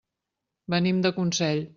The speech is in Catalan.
Venim de Consell.